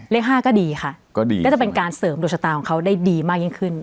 เลข๕ก็ดีค่ะก็ดีก็จะเป็นการเสริมดวงชะตาของเขาได้ดีมากยิ่งขึ้น